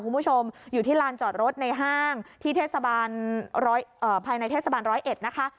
คุณผู้ชมอยู่ที่ลานจอดรถในห้างที่เทศบาลร้อยเอ่อภายในเทศบาลร้อยเอ็ดนะคะ